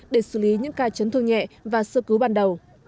để xử lý những ca chấn thương nhẹ và sơ cứu ban đầu